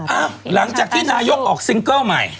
หลังจากที่นายกออกซิงเกิ้ลใหม่